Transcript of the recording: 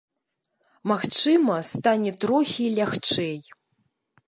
Магчыма, стане трохі лягчэй.